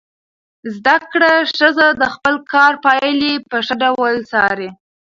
زده کړه ښځه د خپل کار پایلې په ښه ډول څاري.